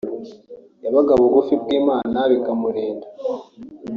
yabaga bugufi bw’Imana bikamurinda